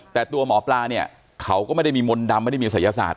แต่ตัวหมอปลาเนี่ยเขาก็ไม่ได้มีมนต์ดำไม่ได้มีศัยศาสต